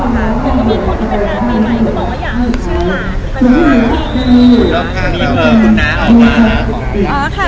คุณเรากลางเลยคุณนะออกมา